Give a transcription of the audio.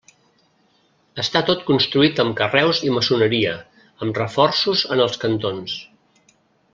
Està tot construït amb carreus i maçoneria, amb reforços en els cantons.